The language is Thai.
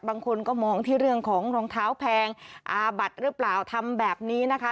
บางคนก็มองที่เรื่องของรองเท้าแพงอาบัดหรือเปล่าทำแบบนี้นะคะ